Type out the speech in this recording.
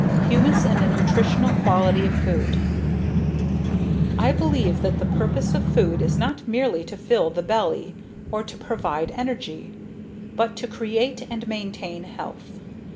Humus and the Nutritional Quality of Food I believe that the purpose of food is not merely to fill the belly or to provide energy, but to create and maintain health.